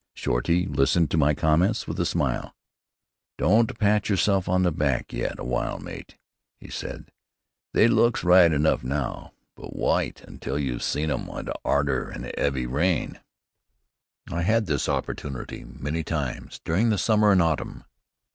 Shorty listened to my comments with a smile. "Don't pat yerself on the back yet a w'ile, mate," he said. "They looks right enough now, but wite till you've seen 'em arter a 'eavy rain." I had this opportunity many times during the summer and autumn.